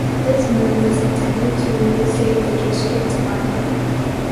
This move was intended to save the district money.